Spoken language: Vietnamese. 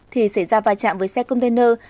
thì xảy ra vai trạm với xe container